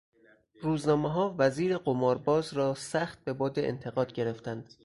روزنامهها وزیر قمار باز را سخت به باد انتقاد گرفتند.